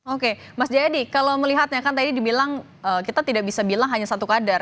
oke mas jayadi kalau melihatnya kan tadi dibilang kita tidak bisa bilang hanya satu kader